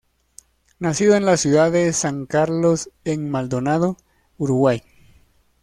Nacido en la ciudad de San Carlos en Maldonado, Uruguay.